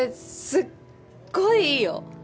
すっごいいいよ。